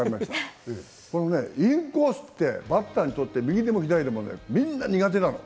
インコースってバッターにとって右でも左でもみんな苦手なの。